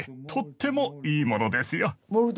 とってもいいものですよ。